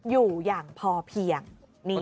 อยู่อย่างพอเพียง